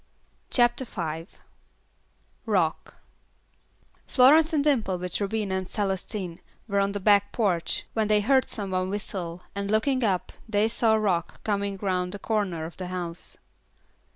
CHAPTER V Rock Florence and Dimple with Rubina and Celestine were on the back porch, when they heard some one whistle, and looking up they saw Rock coming around the corner of the house.